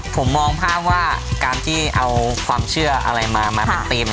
ผมมองภาพว่าการที่เอาความเชื่อในผันติม